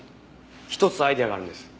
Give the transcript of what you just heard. １つアイデアがあるんです。